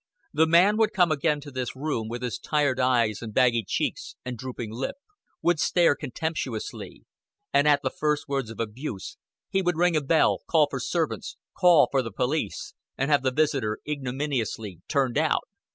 The man would come again to this room, with his tired eyes and baggy cheeks and drooping lip; would stare contemptuously; and at the first words of abuse, he would ring a bell, call for servants, call for the police, and have the visitor ignominiously turned out.